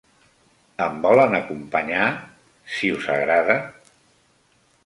Em volen acompanyar, si us agrada?